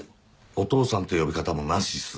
「お父さん」って呼び方もなしっす。